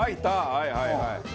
はいはいはい。